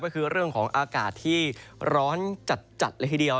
ก็คือเรื่องของอากาศที่ร้อนจัดเลยทีเดียว